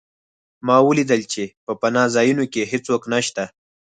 ما ولیدل چې په پناه ځایونو کې هېڅوک نشته